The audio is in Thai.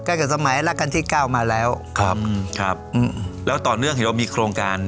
กับสมัยรักกันที่เก้ามาแล้วครับครับอืมแล้วต่อเนื่องเห็นเรามีโครงการ